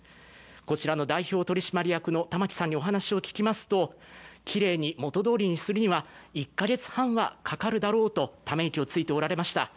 こちらの代表取締役の方に話を聞きますときれいに元どおりにするには１カ月半はかかるだろうとため息をついておられました。